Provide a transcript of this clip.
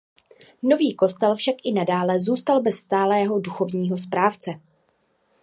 Nový kostel však i nadále zůstal bez stálého duchovního správce.